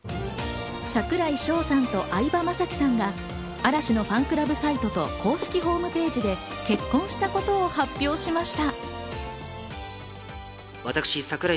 櫻井翔さんと相葉雅紀さんが嵐のファンクラブサイトと公式ホームページで結婚したことを発表しました。